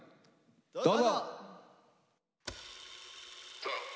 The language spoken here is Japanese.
どうぞ！